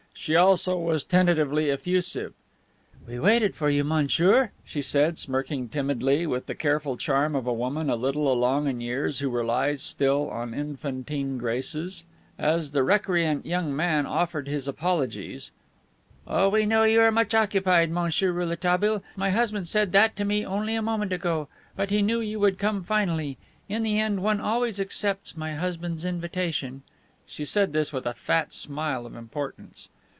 She also was tentatively effusive. "We waited for you, monsieur," she said, smirking timidly, with the careful charm of a woman a little along in years who relies still on infantine graces. As the recreant young man offered his apologies, "Oh, we know you are much occupied, Monsieur Rouletabille. My husband said that to me only a moment ago. But he knew you would come finally. In the end one always accepts my husband's invitation." She said this with a fat smile of importance.